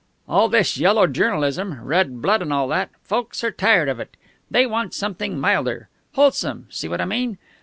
"All this yellow journalism red blood and all that folks are tired of it. They want something milder. Wholesome, see what I mean?